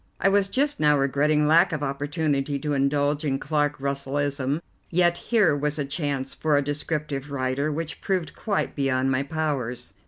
I was just now regretting lack of opportunity to indulge in Clark Russellism, yet here was a chance for a descriptive writer which proved quite beyond my powers.